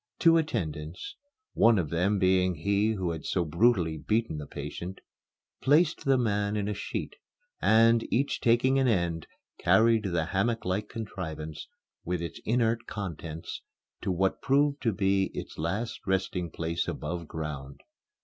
Two attendants one of them being he who had so brutally beaten the patient placed the man in a sheet and, each taking an end, carried the hammocklike contrivance, with its inert contents, to what proved to be its last resting place above ground.